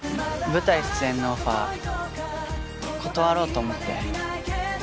舞台出演のオファー断ろうと思って。